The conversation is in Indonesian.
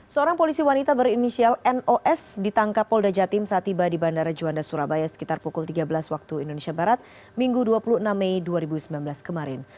seorang polisi wanita berinisial nos ditangkap polda jatim saat tiba di bandara juanda surabaya sekitar pukul tiga belas waktu indonesia barat minggu dua puluh enam mei dua ribu sembilan belas kemarin